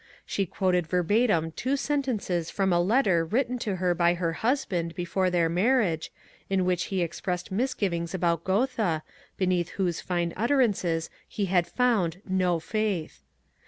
She quoted verbatim two sentences fr<nn a letter written to her by her husband before their marriage in which he ex pressed misgivings about Goethe, beneath whose fine utter ances he had found ^^ no faith."